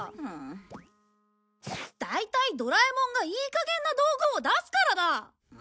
大体ドラえもんがいい加減な道具を出すからだ！